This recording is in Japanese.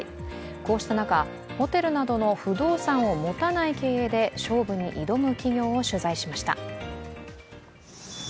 こうした中、ホテルなどの不動産を持たない経営で勝負を挑む企業を取材しました。